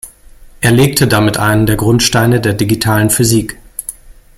Er legte damit einen der Grundsteine der digitalen Physik.